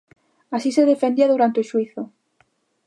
Así se defendía durante o xuízo...